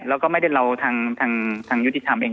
แล้วก็ไม่ได้เราทางยุติธรรมเอง